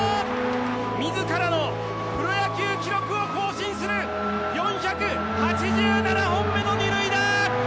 自らのプロ野球記録を更新する４８７本目の二塁打！